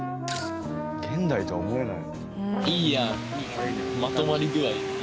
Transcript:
現代とは思えない。